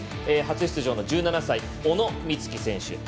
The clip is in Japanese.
初出場の１７歳、小野光希選手。